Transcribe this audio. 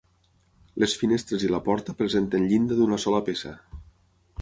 Les finestres i la porta presenten llinda d'una sola peça.